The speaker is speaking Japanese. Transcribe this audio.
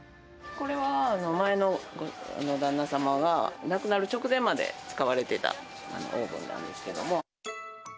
これは前の旦那様が亡くなる直前まで使われてたオーブンなんですけども。